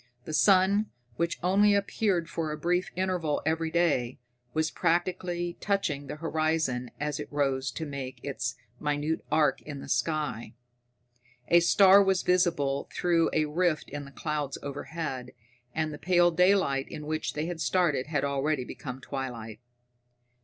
The sun, which only appeared for a brief interval every day, was practically touching the horizon as it rose to make its minute arc in the sky. A star was visible through a rift in the clouds overhead, and the pale daylight in which they had started had already become twilight.